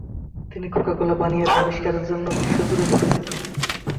তিনি কোকা-কোলা পানীয়ের আবিষ্কারের জন্য বিশ্বজুড়ে পরিচিত।